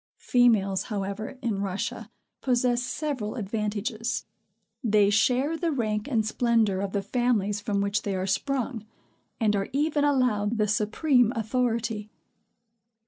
Females, however, in Russia, possess several advantages. They share the rank and splendor of the families from which they are sprung, and are even allowed the supreme authority.